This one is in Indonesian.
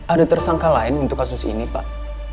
ada tersangka lain untuk kasus ini pak